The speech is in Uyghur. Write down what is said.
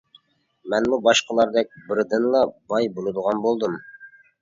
مەنمۇ باشقىلاردەك بىردىنلا باي بولىدىغان بولدۇم.